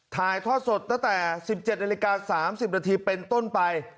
ถ่ายทอดสดตั้งแต่๑๗นาฬิกา๓๐นาทีเป็นต้นไป